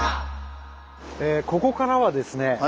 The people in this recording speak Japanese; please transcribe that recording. ここからはですね